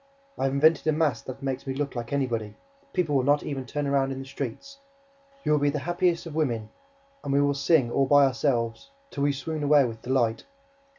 I have invented a mask that makes me look like anybody. People will not even turn round in the streets. You will be the happiest of women. And we will sing, all by ourselves, till we swoon away with delight.